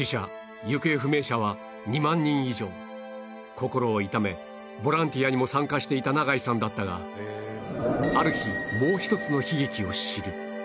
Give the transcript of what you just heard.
心を痛めボランティアにも参加していた永井さんだったがある日もう一つの悲劇を知る